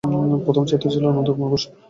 প্রথম ছাত্র ছিল অনন্ত কুমার ঘোষ।